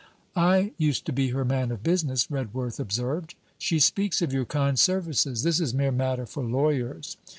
'I used to be her man of business,' Redworth observed. 'She speaks of your kind services. This is mere matter for lawyers.'